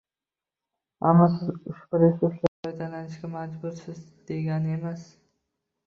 Ammo siz ushbu resurslardan foydalanishga majbursiz degani emas.